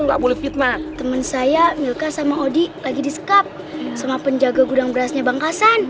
nggak boleh fitna temen saya milka sama hodi lagi disekap sama penjaga gudang berasnya bangkasan